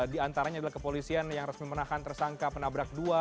di antaranya adalah kepolisian yang resmi menahan tersangka penabrak dua